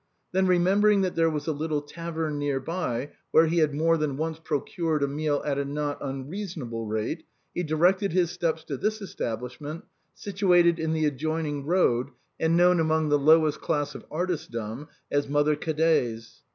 Then remembering that there was a little tavern near by, where he had more than once pro cured a meal at a not unreasonable rate, he directed his steps to this establishment, situated in the adjoining road, and known among the lowest class of artistdom as " Mother Cadet's."